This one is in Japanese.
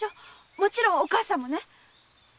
もちろんお義母さんもね。